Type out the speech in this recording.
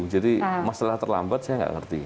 jadi masalah terlambat saya tidak mengerti